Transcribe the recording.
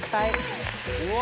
うわ！